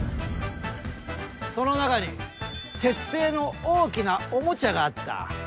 その中に鉄製の大きなおもちゃがあった。